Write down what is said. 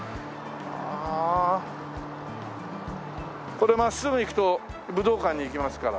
これ真っすぐ行くと武道館に行きますから。